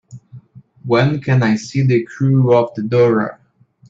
When can I see The Crew of the Dora